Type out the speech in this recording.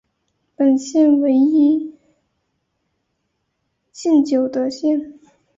本县为一禁酒的县。